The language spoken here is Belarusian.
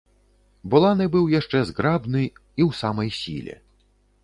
Буланы быў яшчэ зграбны і ў самай сіле.